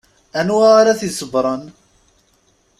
Anwa ara t-iṣebbren?